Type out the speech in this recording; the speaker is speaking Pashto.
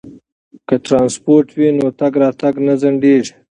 که ترانسپورت وي نو تګ راتګ نه ځنډیږي.